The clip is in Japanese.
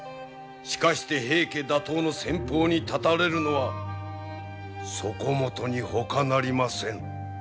しかして平家打倒の先ぽうに立たれるのはそこもとにほかなりません。